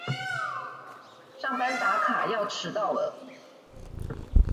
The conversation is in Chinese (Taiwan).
上班打卡要遲到了